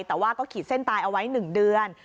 แต่ว่าก็ขีดเส้นตายเอาไว้๑เดือน